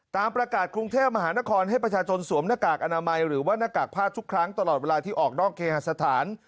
ตามประกาศกรุงเทพมหานครให้ประชาชนสวมหน้ากากอนามัยหรือว่าหน้ากากผ้าทุกครั้งตลอดเวลาที่ออกนอกเคหสถาน